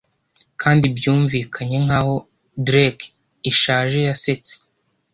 Kandi byumvikanye nkaho drake ishaje yasetse